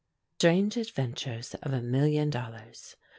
STRANGE ADVENTURES OF A MILLION DOLLARS.